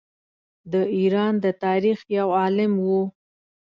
د ایران د تاریخ یو عالم وو.